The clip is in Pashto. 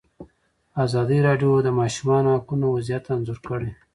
ازادي راډیو د د ماشومانو حقونه وضعیت انځور کړی.